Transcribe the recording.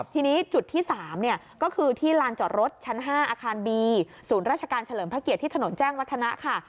ทีนี้จุดที่๓ก็คือที่ลานจอดรถชั้น๕อาคารบีศูนย์ราชการเฉลิมพระเกียรติที่ถนนแจ้งวัฒนะค่ะ